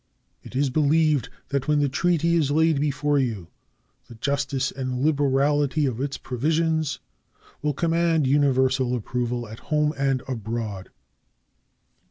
It is believed that when the treaty is laid before you the justice and liberality of its provisions will command universal approval at home and abroad.